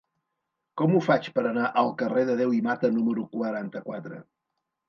Com ho faig per anar al carrer de Deu i Mata número quaranta-quatre?